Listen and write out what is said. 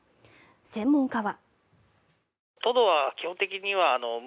専門家は。